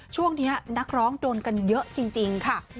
ช่วงนี้นักร้องโดนกันเยอะจริงค่ะ